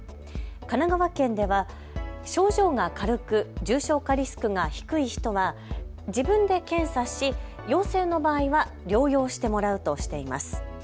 神奈川県では症状が軽く重症化リスクが低い人は自分で検査し陽性の場合は療養してもらうとしています。